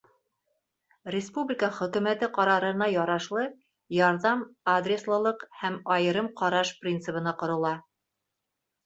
Республика Хөкүмәте ҡарарына ярашлы, ярҙам адреслылыҡ һәм айырым ҡараш принцибына ҡорола.